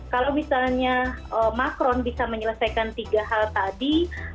kalau misalnya macron bisa menyelesaikan tiga hal tadi